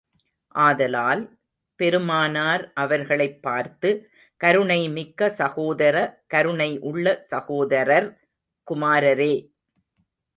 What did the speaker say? ஆதலால், பெருமானார் அவர்களைப் பார்த்து, கருணைமிக்க சகோதர கருணை உள்ள சகோதரர் குமாரரே!